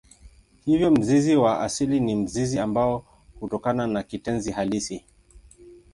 Hivyo mzizi wa asili ni mzizi ambao hutokana na kitenzi halisi.